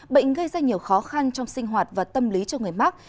bệnh gây ra nhiều khó khăn trong sinh hoạt và tâm lý cho người mắc